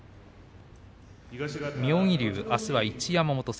妙義龍はあすは一山本戦。